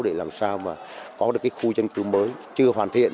để làm sao mà có được cái khu dân cư mới chưa hoàn thiện